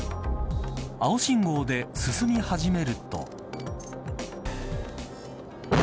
青信号で進み始めると。